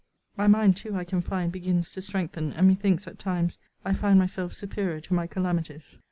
My mind too, I can find, begins to strengthen: and methinks, at times, I find myself superior to my calamities.